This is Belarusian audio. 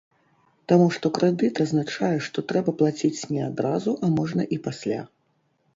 Таму што крэдыт азначае, што трэба плаціць не адразу, а можна і пасля.